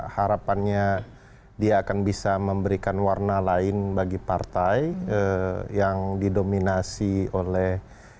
harapannya dia akan bisa memberikan warna lain bagi partai yang didominasi oleh